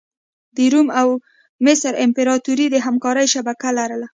د روم او مصر امپراتوري د همکارۍ شبکه لرله.